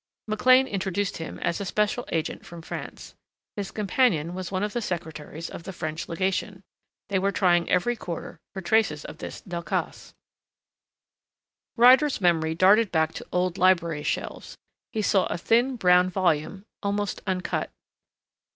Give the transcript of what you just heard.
McLean introduced him as a special agent from France. His companion was one of the secretaries of the French legation. They were trying every quarter for traces of this Delcassé. Ryder's memory darted back to old library shelves. He saw a thin, brown volume, almost uncut....